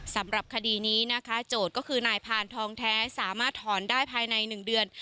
สำหรับคดีนี้นะคะโจทย์ก็คือนายพานทองแท้สามารถถอนได้ภายใน๑เดือน